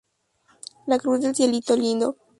La Cruz del Cielito Lindo.